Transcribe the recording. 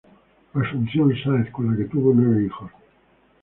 Asunción Sáez, con la que tuvo nueve hijos.